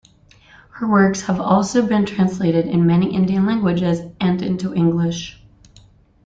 Her works havealso been translated in many Indian languages, and into English.